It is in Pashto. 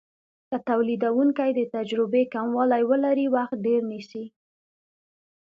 که تولیدونکی د تجربې کموالی ولري وخت ډیر نیسي.